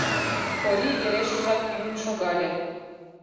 Корий верешыжак тӱҥын шогале.